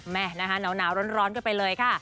แม่นะคะหนาวร้อนกันไปเลยค่ะ